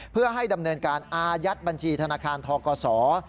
เพื่อให้ดำเนินการอายัดบัญชีธนาคารทกศ